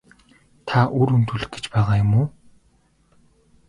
Та үр хөндүүлэх гэж байгаа юм уу?